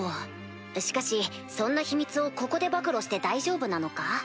しかしそんな秘密をここで暴露して大丈夫なのか？